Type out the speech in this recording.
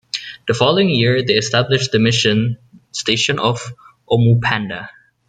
The following year they established the mission station of Omupanda.